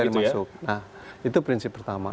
baru tni masuk nah itu prinsip pertama